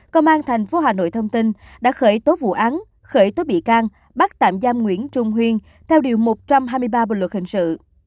công an tp hà nội thông tin đã khởi tố vụ án khởi tố bị can bắt tạm giam nguyễn trung huyên theo điều một trăm hai mươi ba bộ luật hình sự